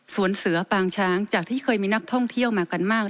เสือปางช้างจากที่เคยมีนักท่องเที่ยวมากันมาก